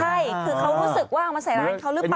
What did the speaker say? ใช่คือเขารู้สึกว่าเอามาใส่ร้านเขาหรือเปล่า